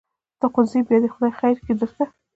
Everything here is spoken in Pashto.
ته خو ځې بیا به خدای خیر کړي دې ته.